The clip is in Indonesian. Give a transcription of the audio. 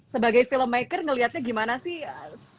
sebagai filmmaker ngeliatnya gimana sih